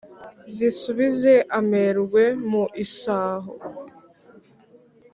zisubize amerwe mu isaho